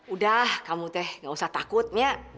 udah kamu teh nggak usah takutnya